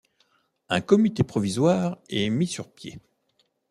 Un comité provisoire est mis sur pied.